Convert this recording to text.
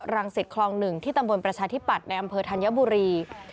สิตคลอง๑ที่ตำบลประชาธิปัตย์ในอำเภอธัญบุรี